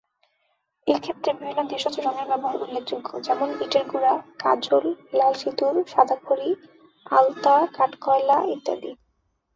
এক্ষেত্রে বিভিন্ন দেশজ রঙের ব্যবহার উল্লেখযোগ্য; যেমন: ইটের গুঁড়া, কাজল, লাল সিঁদুর, সাদা খড়ি, আলতা, কাঠ-কয়লা ইত্যাদি।